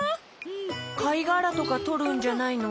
かいがらとかとるんじゃないの？